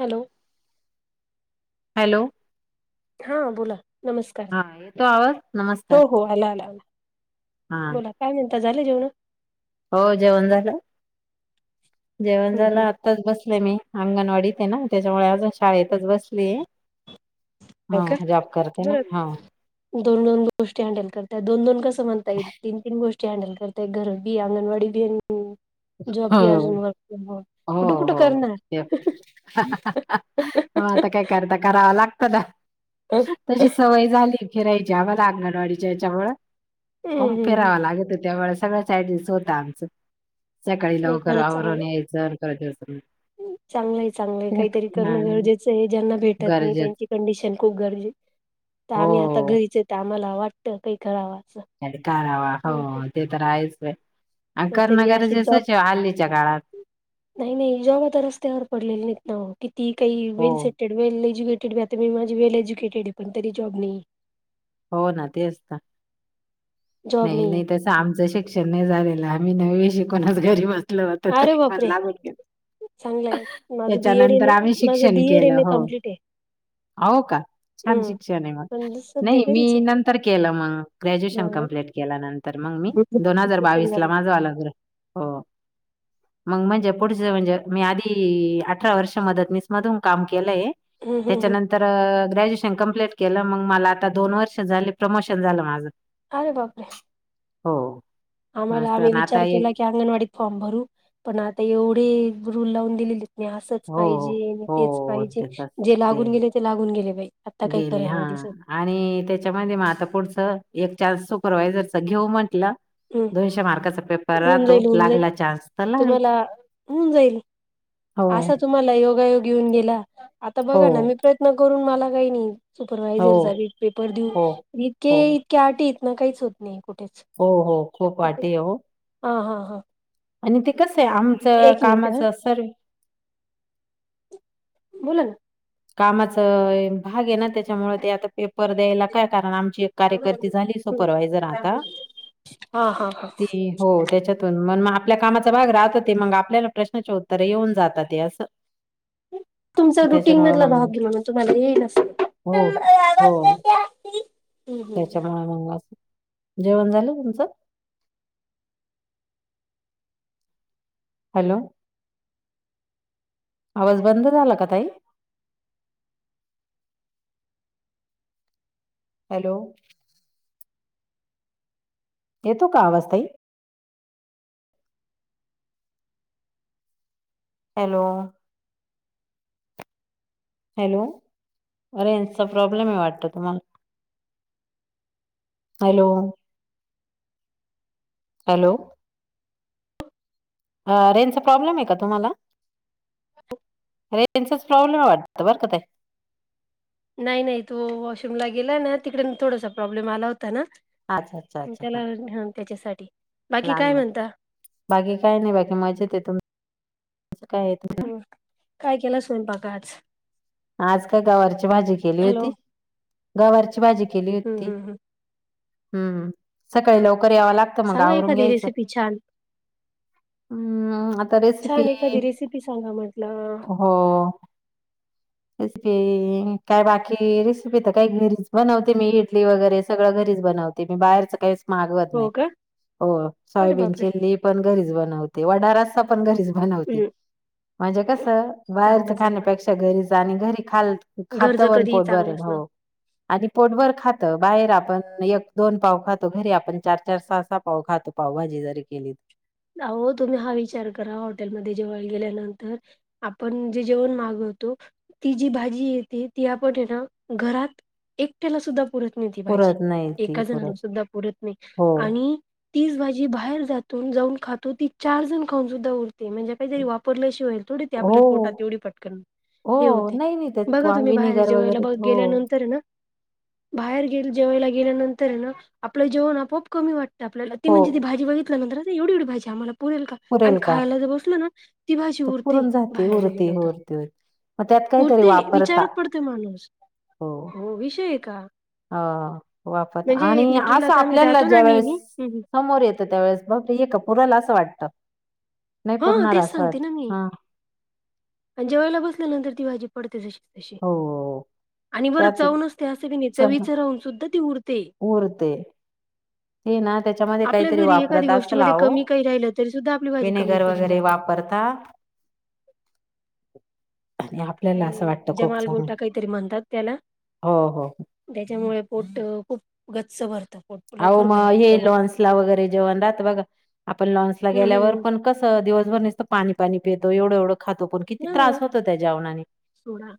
Hello hello हा बोला नमस्कार हा येतो आवाज हो नमस्कार. हो आला आला आला हा बोला काय म्हणता झाली जेवणं? हो जेवण झाल जेवण झाल हम् आत आत्ताच बसले मी अंगणवाडीत ये ना त्याच्यामुळे अजून शाळेतच बसलीये. हो का ना बर हा दोन दोन गोष्टी हँडल करत्या दोन दोन कस म्हणता येईल तीन तीन गोष्टी हँडल करताय घर बी अंगणवाडी बी अन हो जॉब हो बी अजून वर्क फ्रॉम होम कुठ कुठं करणार. म आता काय करता कराव लागत ना तशी सवय झालीये फिरायची आम्हाला अंगणवाडीच्या याच्यामूळ खूप हम्म फिराव लागत त्यामुळे सगळच ऍडजस्ट होतं आमचं सकाळी नाही लवकर खरंच आवरून चांगलं यायचं अन परत चांगलंय चांगलंय काहीतरी हा, करणं गरजेचं ये ज्यांना भेटत नाही गरजेच त्यांची कंडिशन खूप गरजे तर हो आम्ही आता घरीच ये तर आम्हाला वाटत काही करावं असं करावा हो ते तर आहेच अन करण नाहीतरी अशी जॉब गरजेचेच आहे हल्लीच्या काळात नाही नाही जॉब आता रस्त्यावर पडलेले नाहीत ना किती काही हो वेल एज्युकेटेड ये आता मी माझे वेल एज्युकेटेड ये, तरी जॉब नाही. हो ना तेच ना नाही नाही तस आमच शिक्षण नाही झालेल आम्ही नववी शिकूनच घरी बसलो होतो अरे तरी पण बापरे लागून गेला. चांगलं आहे. माझं बीएड एम त्याच्यानंतर ए आम्ही माझं शिक्षण बीएड केलं एम ए हो. कम्प्लीट आहे हो का छान हम्म शिक्षण ये मग पण सध्या नाही मी घरीच आहे. नंतर केलं मग ग्रॅज्युएशन ह कम्प्लीट केल्या नंतर मग मी दोन हजार ऍडमिशन बावीस झालं ला लागला हो. मग म्हणजे पुढच म्हणजे मी आधी अठरा वर्ष मदतनीस मधून काम केलंय. हम्म हम्म हम्म त्याच्यानंतर ग्रॅज्युएशन कंप्लीट केलं मग मला आत्ता दोन वर्ष झाले प्रमोशन झालं माझं अरे बापरे! हो. आम्हाला असं आम्ही ना आता विचार केला एक की अंगणवाडीत फॉर्म भरू पण आता एवढे रूल लावून दिलेले हे असंच हो पाहिजे आणि हो तेच हो पाहिजे. त्याचा जे लागून गेले ते लागून गेले बाई आत्ता काही गेले खरं हा नाही दिसत. आणि त्याच्यामध्ये म आता पुढचं एक चान्स सुपरवायजर च घेऊ म्हंटलं. हम्म दोनशे मार्काचा पेपर होऊन राहतो जाईल होऊन जाईल लागला चान्स तर लागेल. तुम्हाला होऊन जाईल असा तुम्हाला योगायोग येऊन गेला. आता हो बघा ना मी प्रयत्न करून मला काही नाही. हो सुपरवायझर चा बी पेपर हो देऊन इतके हो इतके अटी आहेत ना काहीच होत नाही कुठेच हो हो खूप आटी ये ओ हां हां हां आणि ते कसं ये आमचं मिनिट हा कामाचं सर ये. बोला ना कामाच भाग ये ना त्याच्यामुळे ते आता पे पर द्यायला काय कारण आमची एक कार्यकर्ती झालीये सुपरवायजर आता हा हा हा ती हो त्याच्यातून मग मग आपल्या कामाचा भाग राहत ते मग आपल्याला प्रश्नाचे उत्तर येऊन जातात ते असं तुमचं रुटींग त्याच्यामुळं मधला मग भाग ये म्हणून तुम्हाला असतं. हो, हो. त्याच्यामुळे मग आस जेवण झालं का तुमचं. हॅलो आवाज बंद झाला का ताई. हॅलो येतो का आवाज ताई हॅलो हॅलो रेंजचा प्रॉब्लेम आहे. वाटत तुम्हाला. हॅलो. हॅलो अ रेंजचा प्रॉब्लेम आहे का तुम्हाला. रेंचाच प्रॉब्लेम आहे वाटतं बरं का ताई नाही नाही तो वॉशरूमला गेला ना तिकडून थोडासा प्रॉब्लेम आला होता ना. अच्छा, अच्छा, [inaudible] अच्छा. त्याला हां, हा त्याच्या साठी बाकी काय लहान बाळ. म्हणता. बाकी काय नाही बाकी मजेत हाय. तुमचं काय [inaudible] [inaudible] काय केला स्वयपाक आज आज काय गवारची भाजी केली हॅलो. होती. गवारची भाजी केली हम्म होती. हम्म हम्म. हम सकाळी लवकर यावं लागतं. मग सांगा आवरून एखादी घ्यायचं. रेसिपी छान. हम आता रेसिपी छान एखादी रेसिपी सांगा म्हटलं. हो रेसिपी काय बाकी रेसिपी तर काय घरीच बनवते मी इडली वगैरे सगळं घरीच बनवते. बनवते मी बाहेरचं कायच मागवत हो नाही का? हो अरे सोयाबीन बापरे! चिली पण घरीच बनवते. वडा रस्सा पण पण घरीच बनवते हम्म म्हणजे कस बाहेरच चांगलं खाण्या चांगलं पेक्षा घरीच आणि घरी खाल खात घरचं वर कधीही पोट भरल चांगलंच ना. हो आणि पोटभर खात बाहेर आपण एक दोन पाव खातो घरी आपण चार चार सहा सहा पाव खातो पावभाजी जरी केली आओ तुम्ही हा विचार करा हॉटेल मध्ये जेवाय गेल्या नंतर आपण जे जेवण मागवतो ती जी भाजी येते ती आपण हे ना घरात एकट्याला सुद्धा पुरत नाही ती भाजी पुरत नाही ती एका जणाला पुरत सुद्धा पुरत नाही हो आणि तीच भाजी बाहेर जातो जाऊन खातो ती चार जण खाऊन सुद्धा उरते म्हणजे काहीतरी वापरल्या शिवाईल थोडी ते हो आपल्याल पोटात तेवढी पटकन हो हे होते नाही नाही त्यात बघा वा तुम्ही बाहेर विनेगर जेवायला वगैरे बघ हो गेल्यानंतर हाय ना बाहेर गेल जेवायला गेल्यानंतर हाय ना आपल्याला जेवण आपोप कमी वाटतं आपल्याला ती हो म्हणजे ती भाजी बघित [inaudible] बघितल्या नंतर ना ती एवढी एवढी भाजी आम्हाला पुरेल का आणि पुरेल का खायला ज बसलना ती भाजी तो उरते पुरून जाते बाहेर ज उरते गेलं तर उरते उरते. मग त्यात काहीतरी पुरते वापरता विचारत पडतोय माणूस हो म विषय हाय का ह वाफाळत म्हणजे आणि लिटरला असं आता आम्ही आपल्याला जातो ना ज्या वेळेस नेहमी समोर येत त्या वेळेस बहुतेक एका पुराला असं वाटतं नाही ह पुरणार तेच असं सांगते वाटत ना मी हा आणि जेवायला बसल्या नंतर ती भाजी पडते जशी तशी हो आणि बरं त्यात चव नसते अस बी नाही चवीचं राहून सुद्धा ती उरते ऊरते आपल्या घरी एकादी वापरत गोष्टी असेल मध्ये अहो कमी काही राहिलं तरी सुद्धा आपली भाजी कमी पडू घरीे वापरता आणि आपल्याला असं काय वाटत खूप जमाल चांगलं गोटा काहीतरी म्हणतात त्याला हाय हो हो त्याच्यामुळे पोट खूप गच्च भरतं पोट आओ लवकर म भरत हे लॉन्सला वगैरे जेवण राहत बघा आपण लॉन्सला हम्म गेल्यावर हम्म पण कसं दिवसभर निसत पाणी-पाणी पेतो, एवढं- एवढं खातो पण किती त्रास हं होतो त्या जेवणाने सोडा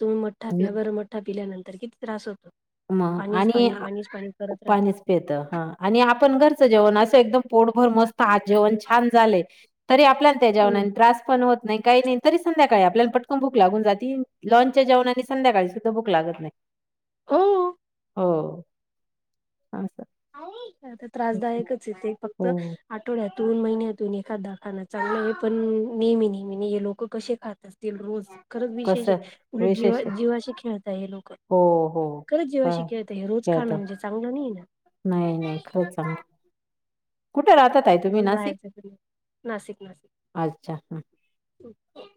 तुम्हीं मठ्ठा प्या न- बरं, मठ्ठा. मठ्ठा पिल्यानंतर किती त्रास होतो. म पाणीच आणि पाणी आ पाणीच पाणी करत राहता पाणीच पेतं हा आणि आपण घरचं जेवण असं एकदम पोटभर मस्त आज जेवण छान झालंय, तरी आपल्या त्या जेवणानी हम्म त्रास पण होत नाही काही नाही, तरी संध्याकाळी आपल्याला पटकन भुक लागून जाती, लाँनच्या जेवणानी संध्याकाळी सुद्धा भुक लागत नाही. हो.. हो असं. आई आता असं. त्रासदायकच ये ते फक्त. हो आठवड्यातून, महिन्यातून एखादा खाणं चांगलं आहे, पण नेहमी -नेहमीे ना हे लोकं कसे खाता असतील रोज खरंच विशेष ये कसं उलट विशेष जीवा आहे जीवाशी खेळताय हे लोकं. हो हो खरंच जिवाशी काय खेळतायतं हे रोज खाणं खेळतो म्हणजे चांगलं नाही ये ना. नाही, नाही. खरंच चांगलं नाही. कुठं राहतात? ताई तुम्हीं रोज नाशिक, बाहेरच फिरलं नाशिक अच्छा ह.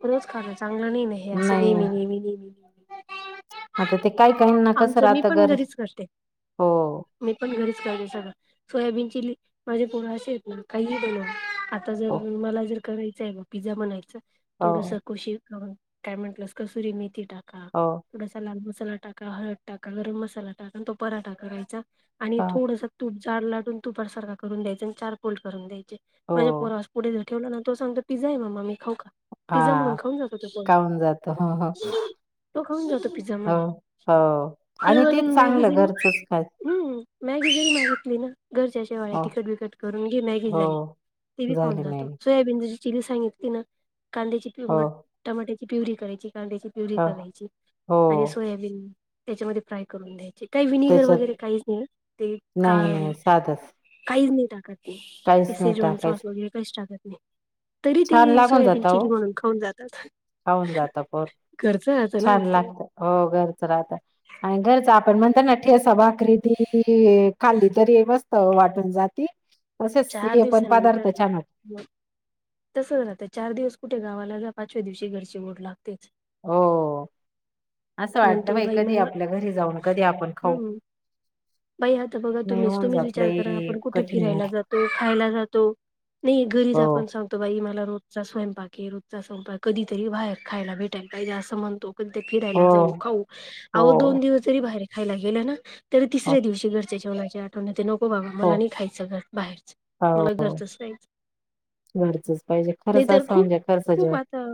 रोज खाणं चांगलं नाही ना हे असं नाही नेहमी- नेहमी- नेहमी. नेहमी आता ते काय काही ना कसं आमचं मी राहता पण घर... घरीच करते हो मी पण घरीच करते सगळं, सोयाबीन चिली माझे पोरं असे आहेत ना, काहीही बनवा आता हो जर मला जर करायचं आहे ब पिझ्झा बनायचं हो थोडसं खुशी काय म्हटलंस कसुरी मेथी टाका. हो थोडासा लाल मसाला टाका, हळद टाका, गरम मसाला टाका, आणि तो पराठा करायचा आणि हो थोडसं तूप जाड लाटून तुपारासारखा करून द्यायचं आणि चार फोल्ड करून द्यायचे म्हणे हो पोरवास पुढे ठेवला ना तो सांगतो पिझ्झा आहे मम्मा, मी खाऊ का? पिझ्झा म्हणून हा खाऊन जातो तो पण, काऊन जातो हो हो तो खाऊन जातो पिझ्झा हो म्हणून. हो.. आणि तेच चांगलं घरचंच खा हूं... मॅगी जरी मागितली ना, घरच्या शेवाळ्या हो तिखट- बिकट करून घे मॅगी हो झाली. ते बी खाऊन झाली जातो. मॅगी सोयाबीन जशी चिली सांगितली ना, कांद्याची हो प टमाट्याची प्युरी करायची कांद्याची प्युरी हो करायची हो आणि सोयाबीन त्याच्यामध्ये फ्राय करून द्यायची. काही विनिगर त्याच्यात वगैरे काहीच नाही ना, ते का नाही नाही साधंच काहीच नाही टाकत. काहीच ते नाही सेजवान टाकायचं सॉस वगैरे काही टाकत नाही, तरी ते छान लागून सोयाबीन जात हो चिली म्हणून खाऊन जात. [inaudible] खाऊन जातं पोर, ना छान होते लागतं, हो घरच राहतं. आणि घरचं आपण म्हणतो ना ठेचा भाकरी ती खाल्ली तरी मस्त वाटून जाती. तसेच चार हे पण पदार्थ छानत तसंच राहते चार दिवस कुठे गावाला जा, पाचव्या दिवशी घरची ओढ लागतेच. हो.... असं वाटतं म्हणतो बाई कधी मला आपल्या घरी जाऊन, कधी आपण खाऊ. हम्म बाई आता बघा नाही तुम्हीचं, होऊन तुम्हींच जात विचार लई करा, आपण कुठे कठीण फिरायला आहे जातो, खायला जातो, नाही घरीच हो आपण सांग तो बाई मला रोजचा स्वयंपाक आहे, रोजचा स्वयंपाक कधी तरी बाहेर खायला भेटायला पाहिजे असं म्हणतो. हो फिरायला जाऊ, खाऊ, हो अहो दोन दिवस जरी बाहेर खायला गेलं ना, तरी हो तिसऱ्या दिवशी घर घ्या जेवणाची आट वण येते नको बाबा हो मला नाही खायचं घर बाहेरचं मला हो घरचंच खायचं. घरचच पाहिजे खरंच असं खूप म्हणजे खर्च खूप जेव आता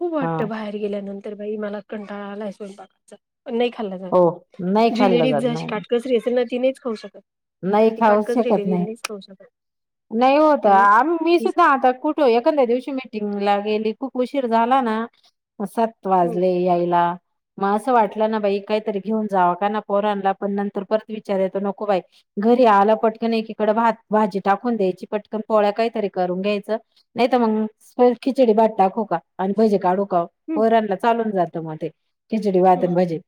खूप हा वाटतं बाहेर गेल्यानंतर बाई मला कंटाळा आलाय स्वयंपाकाच पण नाही खाल्ला हो नाही जी खाल्लं लेडीज ज जात अशी नाही काटकसरी असेल ना ति नहीच खाऊ शकत नाही ती खाऊ काटकसरी शकत लेडीज नाही नई खाऊ शकत नाही होत हम्म. आ मी तीच सुद्धा आता कुठ एखाद्या दिवशी मिटिंगला गेली खूप उशीर झाला ना म सात हम्म वाजले यायला मग असं वाटलं ना बाई कायतरी घेऊन जाव का ना पोरानला पण नंतर परत विचार येतो नको बाई घरी आला पटकन एकीकडं भात भाजी टाकून द्यायची पटकन पोळ्या कायतरी करून घ्यायचं नाही तर मग खिचडी भात टाकू का आणि भजे काढू क हम्म पोरणला चालून जात म ते खिचडी भात आणि भजे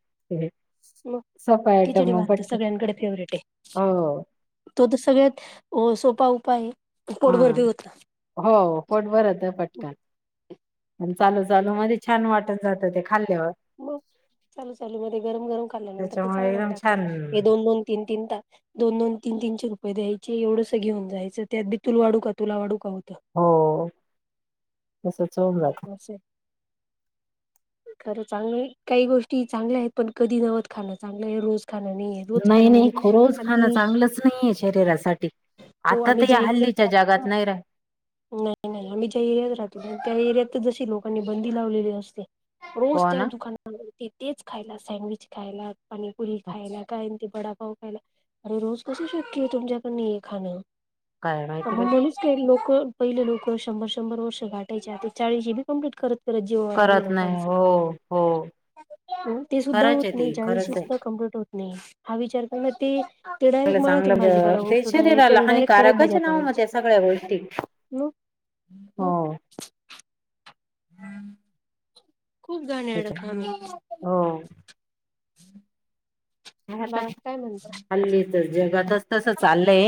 म सोपं आयटम खिचडी मग भात तर पटकन सगळ्यांकडे फेवरेट हाय हो तो तर सगळ्यात सोपा उपाय हा पोडभर बी होत हो पोटभर होत पटकन पण चालू चालू मध्ये छान वाटत जातं ते खाल्ल्यावर चालू चालू मध्ये गरम गरम खाल्ल्यानंतर ते त्याच्यामुळे चांगलं एकदम लागते छान हे दोन दोन तीन तीन तास दोन दोन तीन तीनशे रुपये द्यायचे एवढंसं घेऊन जायचं त्यात बी तुल वाडू का तुला वाडू का होतं हो तसंच अवो अशे खरं चांगलंय काही गोष्टी चांगल्या आहेत पण कधी गवत खाण चांगलंये रोज खाणं नाहीये रोज नाही खाणं नाही म्हणजे रोज खाणं आम्ही चांगलंच नाहीये शरीरासाठी हो आता आम्ही तर ज्या या एरियात हल्लीच्या राहतो जगात ना नाही राहि नाही नाही आम्ही ज्या एरियात राहतो त्या एरियात जशी लोकांनी बंदी लावलेली असते रोज हो त्या ना दुकानावरती तेच खायला सँडविच खायला पाणीपुरी खायला काय आणि ते वडापाव खायला अरे रोज कसं शक्य आहे तुमच्याकडन हे खाणं काय तर माहिती मग बाई. म्हणूच काही लोक पहिली लोकं शंभर शंभर वर्ष गाठायचे आता चाळीसी बी कंप्लीट करत खरंच जीवावर आले करत नाही लोकांच हो हो ते सुद्धा खरंच होत आहे नाही ते चाळीशी खरंच आहे. सुद्धा कंप्लीट होत नाही हा विचार कर ना ती ते डायरेक्ट चांगलं चांगलं मळ्यातून भाजीपाला म्हणजे ते उपटून आणायचे शरीराला अन् डायरेट कडइत हानिकारकच भाज्या नाव मग करायचे त्या सगळ्या गोष्टी हू हो हू खूप घाणेरड त्याच्या काम हो हे आता बाकी काय म्हणता हल्ली तर जगातच तसं चाललंय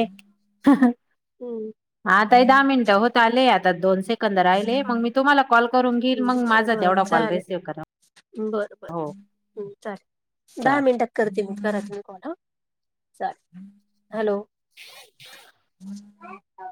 हम्म आता हे दहा मिनिटं होत आले आता दोन सेक् कंद राहिले मग मी तुम्हाला कॉल करून घेईल मग बर माझा बर तेवढा कॉल चालेल रिसिव्ह करा बर बर हो हू चालेल दहा मिनटात करते मी करा तुम्ही कॉल हा चालेल हॅलो [inaudible] [inaudible]